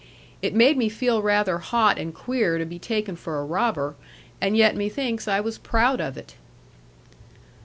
It made me feel rather hot and queer to be taken for a robber; and yet methinks I was proud of it.